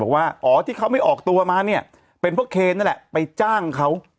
ว่าอ๋อที่เขาไม่ออกตัวมาเนี่ยเป็นเพราะเคนนั่นแหละไปจ้างเขา